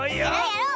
やろう！